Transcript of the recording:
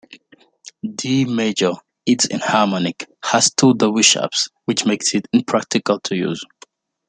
D major, its enharmonic, has two double-sharps, which makes it impractical to use.